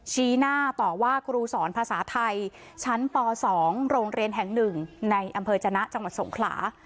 ชี้หน้าต่อว่าครูสอนภาษาไทยชั้นป๒โรงเรียนแห่ง๑ในอำเภอจนะจังหวัดสงขลา